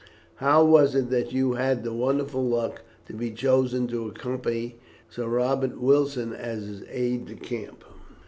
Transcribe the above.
How was it that you had the wonderful luck to be chosen to accompany Sir Robert Wilson as his aide de camp?"